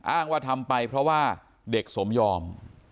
อ้างว่าทำไปเพราะว่าเด็กสมยอม